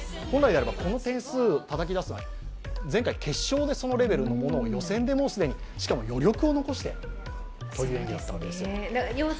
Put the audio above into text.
本来であればこの点数をたたき出すのは、前回決勝でこのレベルのものを予選でもう既に、しかも余力を残してですよ。